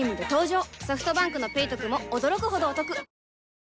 ソフトバンクの「ペイトク」も驚くほどおトク